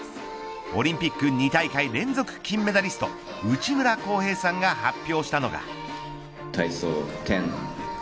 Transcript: オリンピック２大会連続金メダリスト内村航平さんが発表したのが。